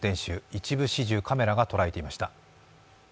一部始終、カメラが捉えていました。